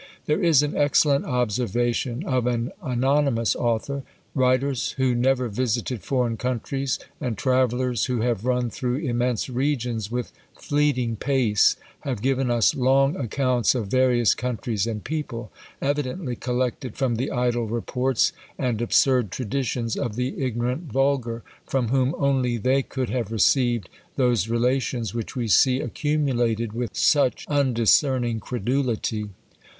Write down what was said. There is an excellent observation of an anonymous author: "Writers who never visited foreign countries, and travellers who have run through immense regions with fleeting pace, have given us long accounts of various countries and people; evidently collected from the idle reports and absurd traditions of the ignorant vulgar, from whom only they could have received those relations which we see accumulated with such undiscerning credulity."